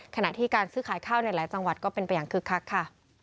ขณะที่การซื้อขายข้าวในหลายจังหวัดก็เป็นไปอย่างคึกคักค่ะ